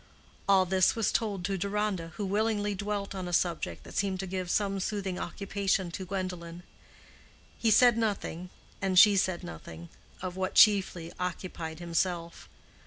All this was told to Deronda, who willingly dwelt on a subject that seemed to give some soothing occupation to Gwendolen. He said nothing and she asked nothing, of what chiefly occupied himself.